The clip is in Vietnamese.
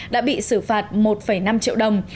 đã bị xử phạt một năm triệu đồng